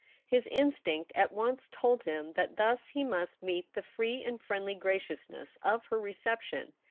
His instinct at once told him that thus he must meet the free and friendly graciousness of her reception.